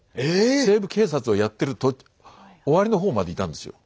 「西部警察」をやってる終わりの方までいたんですよ。